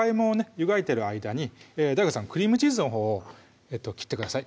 湯がいてる間にＤＡＩＧＯさんクリームチーズのほうを切ってください